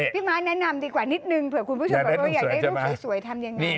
ม้าแนะนำดีกว่านิดนึงเผื่อคุณผู้ชมแบบอยากได้รูปสวยทำยังไง